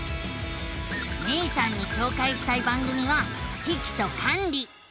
めいさんにしょうかいしたい番組は「キキとカンリ」。